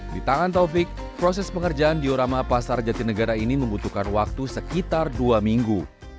di tangan taufik proses pengerjaan diorama pasar jatinegara ini membutuhkan waktu sekitar dua minggu